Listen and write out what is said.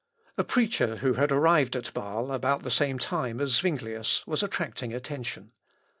] A preacher who had arrived at Bâle about the same time as Zuinglius was attracting attention.